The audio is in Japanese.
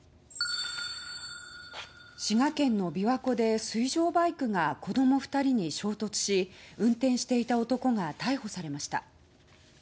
滋賀県の琵琶湖で水上バイクが子供２人に衝突し運転していた男が逮捕されました。